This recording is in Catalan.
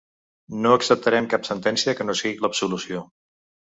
No acceptarem cap sentència que no sigui l’absolució.